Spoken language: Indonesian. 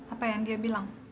apa yang dia bilang